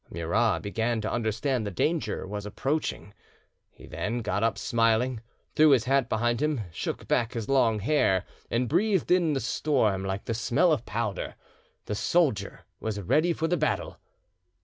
Murat began to understand that danger was approaching, then he got up smiling, threw his hat behind him, shook back his long hair, and breathed in the storm like the smell of powder—the soldier was ready for the battle.